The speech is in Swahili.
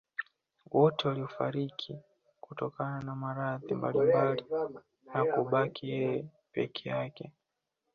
Wote walifariki kutokana na maradhi mbalimbali na kubaki yeye peke yake